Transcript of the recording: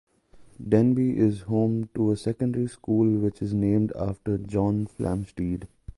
Denby is home to a secondary school which is named after John Flamsteed.